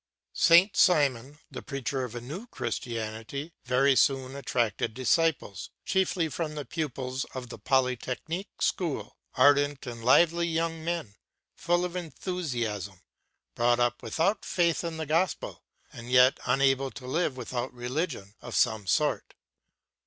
Saint Simon, the preacher of a new Christianity, very soon attracted disciples, chiefly from the pupils of the Polytechnic School; ardent and lively young men, full of enthusiasm, brought up without faith in the gospel and yet unable to live without religion of some sort.